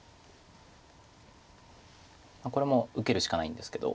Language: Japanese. これも受けるしかないんですけど。